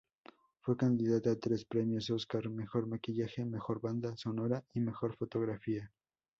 Fue candidata a tres premios Óscar: mejor maquillaje, mejor banda sonora y mejor fotografía.